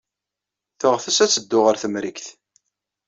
Teɣtes ad teddu ɣer Temrikt.